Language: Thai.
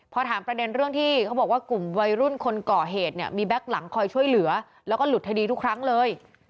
พอถามประเด็นเรื่องที่เขาบอกว่ากลุ่มวัยรุ่นคนก่อเหตุเนี่ยมีแก๊กหลังคอยช่วยเหลือแล้วก็หลุดคดีทุกครั้งเลย